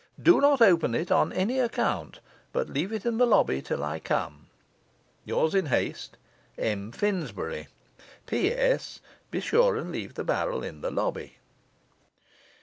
Do not open it on any account, but leave it in the lobby till I come. Yours in haste, M. FINSBURY. P.S. Be sure and leave the barrel in the lobby.